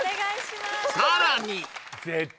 さらに！